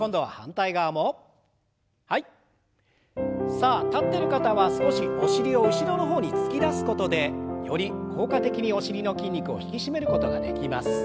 さあ立ってる方は少しお尻を後ろの方に突き出すことでより効果的にお尻の筋肉を引き締めることができます。